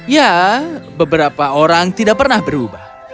ya beberapa orang tidak pernah berubah